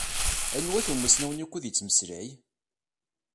Anwa-t umasiw-nni ukud yettmeslay?